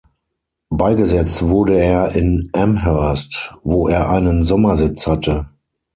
Beigesetzt wurde er in Amherst, wo er einen Sommersitz hatte.